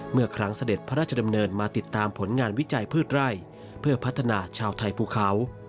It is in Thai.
เมื่อครั้งเสด็จพระราชดำเนินมาติดตามผลงานวิจัยพืชไร่เพื่อพัฒนาชาวไทยภูเขา